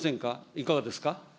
いかがですか。